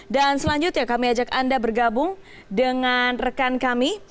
selanjutnya kami ajak anda bergabung dengan rekan kami